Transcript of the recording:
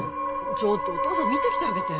ちょっとお父さん見てきてあげて・